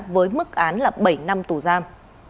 với mức án là bảy năm tù giam